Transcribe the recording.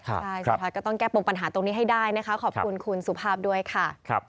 ใช่สุดท้ายก็ต้องแก้ปมปัญหาตรงนี้ให้ได้นะคะขอบคุณคุณสุภาพด้วยค่ะ